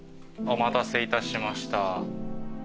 お待たせいたしました。